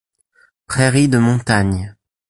Prairies de montagne.